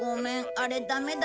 あれダメだった。